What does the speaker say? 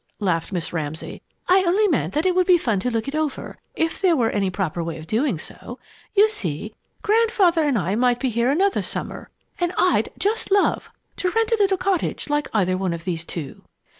laughed Miss Ramsay. "I only meant that it would be fun to look it over, if there were any proper way of doing so. You see, Grandfather and I might be here another summer and I'd just love to rent a little cottage like either one of these two."